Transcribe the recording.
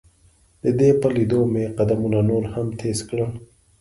د دې په لیدو مې قدمونه نور هم تیز کړل.